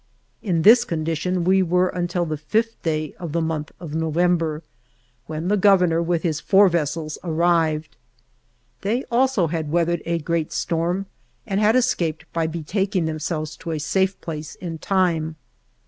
In this condition we were until the 5th day of the month of November, when the Governor, with his four vessels, arrived. They also had weath ered a great storm and had escaped by be taking themselves to a safe place in time.